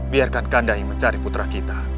biarkan kandai mencari putra kita